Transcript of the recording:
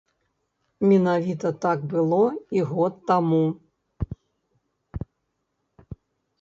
Менавіта так было і год таму.